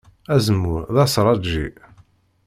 Azemmur d aseṛṛaǧi.